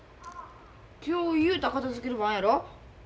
今日雄太片づける番やろ？